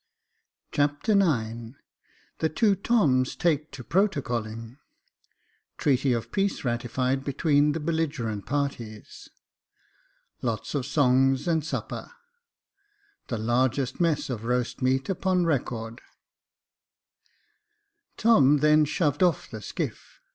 Chapter IX The two Toms take to protocoUing — Treaty of Peace ratified between the belligerent parties — Lots of songs and supper — The largest mess of roast meat upon record, Tom then shoved off the skiff.